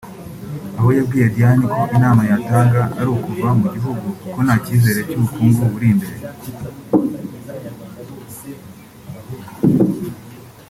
aho yabwiye Diane ko inama yatanga ari ukuva mu gihugu kuko nta cyizere cy’ubukungu buri imbere